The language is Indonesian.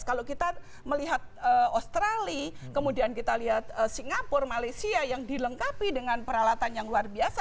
kalau kita melihat australia kemudian kita lihat singapura malaysia yang dilengkapi dengan peralatan yang luar biasa